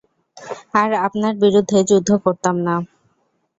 আর আপনার বিরুদ্ধে যুদ্ধ করতাম না।